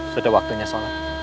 sudah waktunya sholat